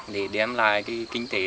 để đem lại kinh tế